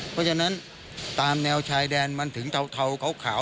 เพราะฉะนั้นตามแนวชายแดนมันถึงเทาขาว